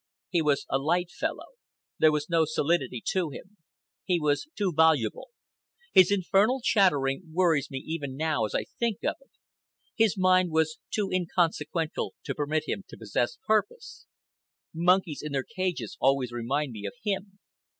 He was a light fellow. There was no solidity to him. He was too voluble. His infernal chattering worries me even now as I think of it. His mind was too inconsequential to permit him to possess purpose. Monkeys in their cages always remind me of him.